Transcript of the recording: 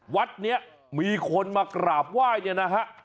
วัดนี้มีคนมากราบไหว้เนี่ยนะฮะ